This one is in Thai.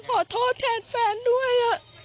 ขอโทษแทนแฟนด้วย